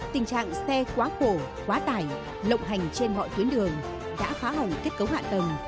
tình trạng xe quá khổ quá tải lộng hành trên mọi tuyến đường đã phá hỏng kết cấu hạ tầng